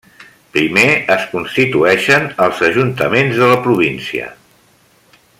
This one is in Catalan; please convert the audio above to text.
Primer, es constitueixen els ajuntaments de la província.